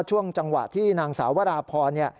ช่วงจังหวะที่นางสาววราพรเนี่ย